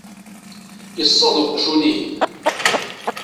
iṣṣeḍ uqjun-ihin.